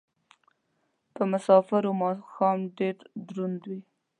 په مسافرو ماښام ډېر دروند وي